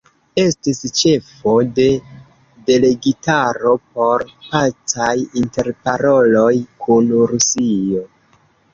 Estis ĉefo de delegitaro por pacaj interparoloj kun Rusio.